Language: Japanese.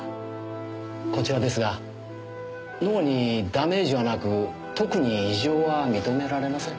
こちらですが脳にダメージはなく特に異常は認められません。